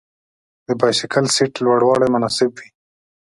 د بایسکل سیټ لوړوالی مناسب وي.